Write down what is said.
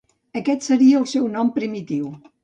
Aquest seria el seu nom primitiu.